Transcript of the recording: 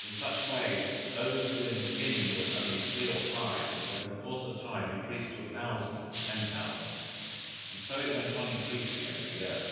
In such a way those who in the beginning were only three or five, were in the course of time increased to a thousand or ten thousand, and so it went on increasing every year.